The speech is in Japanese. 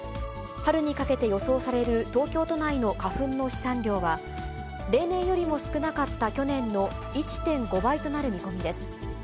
春にかけて予想される、東京都内の花粉の飛散量は、例年よりも少なかった去年の１．５倍となる見込みです。